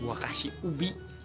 gue kasih ubi